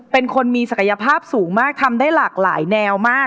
เป็นคนมีศักยภาพสูงมากทำได้หลากหลายแนวมาก